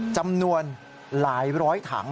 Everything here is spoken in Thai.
จำนวนหลายร้อยถัง